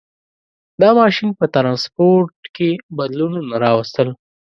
• دا ماشین په ټرانسپورټ کې بدلونونه راوستل.